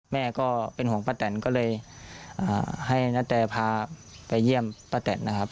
แม่ก็เป็นห่วงป้าแตนก็เลยให้นาแตพาไปเยี่ยมป้าแตนนะครับ